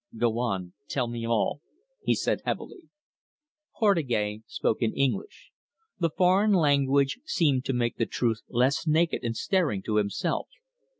"Go on. Tell me all," he said heavily. Portugais spoke in English. The foreign language seemed to make the truth less naked and staring to himself.